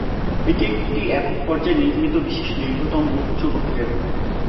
এটি একটি একক পর্যায়ে নির্মিত বিশ্বের দীর্ঘতম উচ্চ গতির রেলপথ।